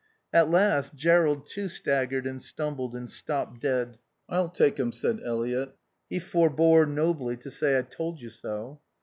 At last Jerrold, too, staggered and stumbled and stopped dead. "I'll take him," said Eliot. He forbore, nobly, to say "I told you so."